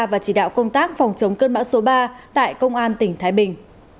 phòng chống cơn bão số ba tại công an tỉnh thái bình